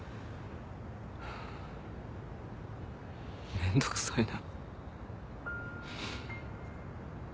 めんどくさいな。